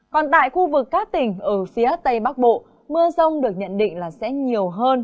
còn tại khu vực các tỉnh ở phía tây bắc bộ mưa rông được nhận định là sẽ nhiều hơn